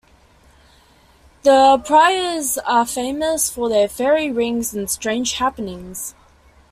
The Pryors are famous for their "fairy rings" and strange happenings.